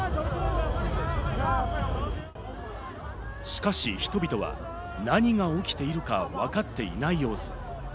しかし、人々は何が起きているか分かっていない様子。